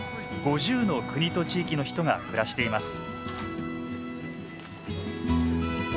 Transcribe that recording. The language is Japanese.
５０の国と地域の人が暮らしています